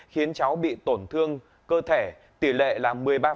khiến cháu bị tổn thương cơ thể tỷ lệ là một mươi ba